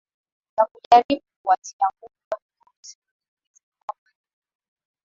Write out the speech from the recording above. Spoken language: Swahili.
Za kujaribu kuwatia nguvu watu weusi na aliweza kuwa maarufu